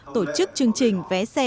tổ chức chương trình vé xe